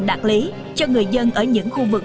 đạt lý cho người dân ở những khu vực